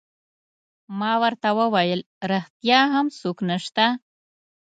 ما ورته وویل: ریښتیا هم څوک نشته؟